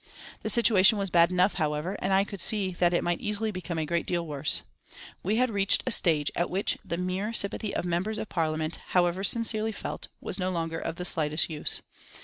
The situation was bad enough, however, and I could see that it might easily become a great deal worse. We had reached a stage at which the mere sympathy of members of Parliament, however sincerely felt, was no longer of the slightest use.